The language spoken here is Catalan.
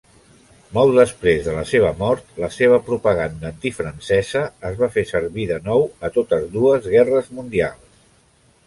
Molt després de la seva mort, la seva propaganda antifrancesa es va fer servir de nou, a totes dues Guerres Mundials.